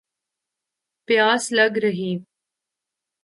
پیاس لَگ رہی